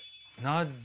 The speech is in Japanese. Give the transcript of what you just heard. ナッジ？